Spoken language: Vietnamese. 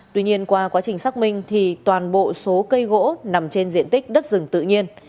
tuy nhiên qua quá trình xác minh thì toàn bộ số cây gỗ nằm trên diện tích đất rừng tự nhiên